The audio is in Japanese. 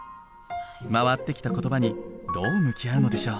回ってきた言葉にどう向き合うのでしょう。